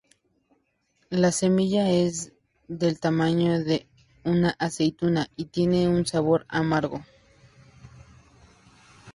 La semilla es del tamaño de una aceituna y tiene un sabor amargo.